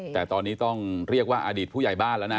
แต่ตอนนี้ต้องเรียกว่าอดีตผู้ใหญ่บ้านแล้วนะ